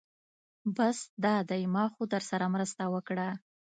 بس دا دی ما خو درسره مرسته وکړه.